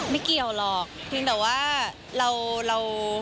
ไม่เกี่ยวหรอกเพียงแต่ว่าเรา